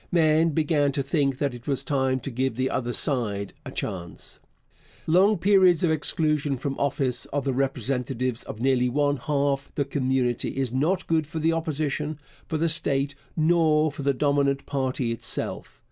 Men began to think that it was time to give the other side a chance. Long periods of exclusion from office of the representatives of nearly one half the community is not good for the Opposition, for the state, nor for the dominant party itself.